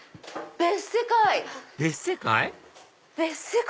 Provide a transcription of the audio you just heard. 別世界？